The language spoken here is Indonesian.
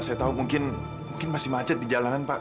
saya tahu mungkin masih macet di jalanan pak